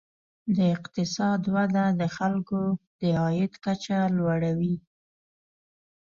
د اقتصاد وده د خلکو د عاید کچه لوړوي.